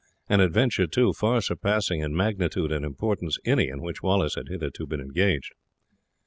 An adventure, too, far surpassing in magnitude and importance any in which Wallace had hitherto been engaged.